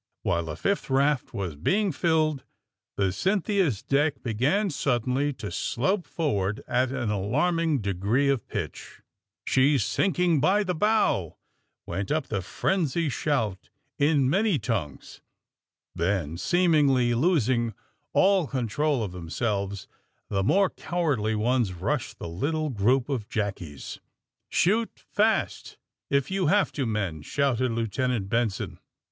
"While the fifth raft was being filled the Cyn thia *s '' deck began suddenly to slope forward at an alarming degree of pitch. AND THE SMUGGLERS 137 '^ She's sinking by the bow!'' went up the frenzied shout in many tongues. Then, seemingly losing all control of them selves the more cowardly ones rushed the little group of jackies. ^^ Shoot fast, if you have to men!" shouted Lieutenant Benson.